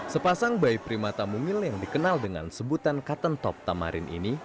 sepasang bayi primata mungil yang dikenal dengan sebutan cotton top tamarin ini